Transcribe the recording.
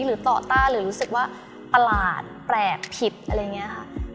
หรือต่อต้านหรือรู้สึกว่าประหลาดแปลกผิดอะไรอย่างนี้ค่ะ